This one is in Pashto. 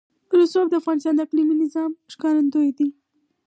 رسوب د افغانستان د اقلیمي نظام ښکارندوی ده.